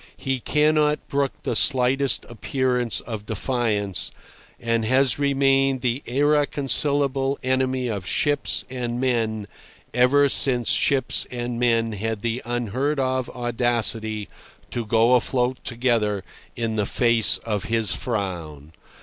He cannot brook the slightest appearance of defiance, and has remained the irreconcilable enemy of ships and men ever since ships and men had the unheard of audacity to go afloat together in the face of his frown.